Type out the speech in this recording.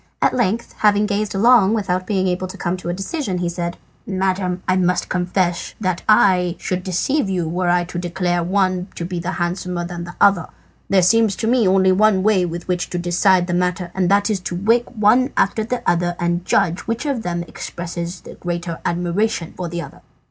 At length, having gazed long without being able to come to a decision, he said "Madam, I must confess that I should deceive you were I to declare one to be handsomer than the other. There seems to me only one way in which to decide the matter, and that is to wake one after the other and judge which of them expresses the greater admiration for the other."